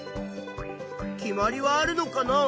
決まりはあるのかな？